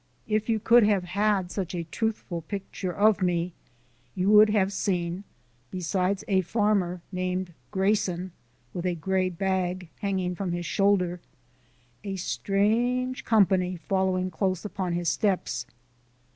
if you could have had such a truthful picture of me, you would have seen, besides a farmer named Grayson with a gray bag hanging from his shoulder, a strange company following close upon his steps.